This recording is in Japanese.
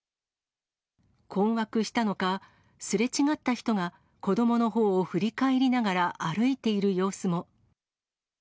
困惑したのか、すれ違った人が子どものほうを振り返りながら歩いている様子も。